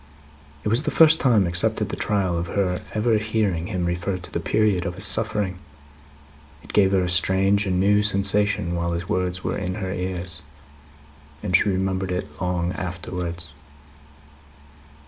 It was the first time, except at the trial, of her ever hearing him refer to the period of his suffering. It gave her a strange and new sensation while his words were in her ears; and she remembered it long afterwards.